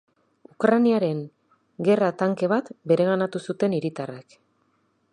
Ukrainaren gerra tanke bat bereganatu zuten hiritarrek.